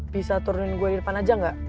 bisa turunin gue di depan aja gak